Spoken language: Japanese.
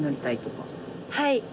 はい。